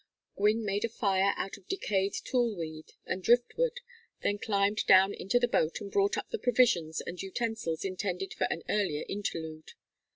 Gwynne made a fire out of decayed tule weed and driftwood, then climbed down into the boat and brought up the provisions and utensils intended for an earlier interlude.